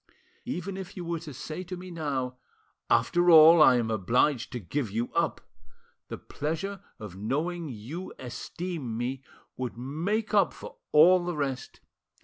Even if you were to say to me now, 'After all, I am obliged to give you up' the pleasure of knowing you esteem me would make up for all the rest.